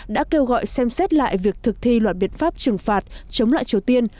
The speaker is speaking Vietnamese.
đã kêu gọi xem xét lại việc thực thi loạt biện pháp trừng phạt chống lại triều tiên